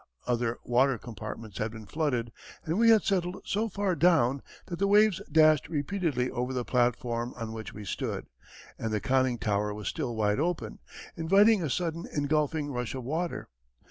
Other water compartments had been flooded, and we had settled so far down that the waves dashed repeatedly over the platform on which we stood and the conning tower was still wide open, inviting a sudden engulfing rush of water.